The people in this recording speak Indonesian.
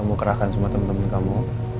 kamu kerahkan semua temen temen kamu